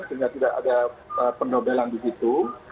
sehingga tidak ada pendobelan di situ